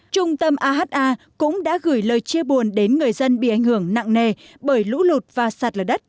trung tâm aha cũng đã gửi lời chia buồn đến người dân bị ảnh hưởng nặng nề bởi lũ lụt và sạt lở đất